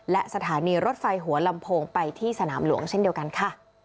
และสถานีรถไฟหัวลำโพงไปที่สนามหลวงเช่นเดียวกันค่ะ